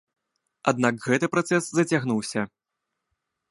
Аднак гэты працэс зацягнуўся.